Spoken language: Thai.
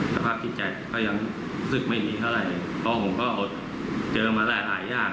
สภาพจิตใจก็ยังรู้สึกไม่ดีเท่าไหร่เพราะผมก็อดเจอมาหลายหลายอย่าง